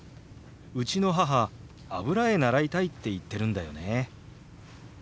うちの母油絵習いたいって言ってるんだよね。